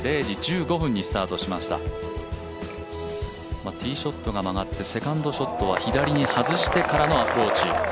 ０時１５分にスタートしましたティーショットが曲がってセカンドショットは左に外してからのアプローチ